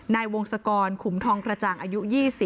นายวงศกรขุมทองกระจ่างอายุ๒๐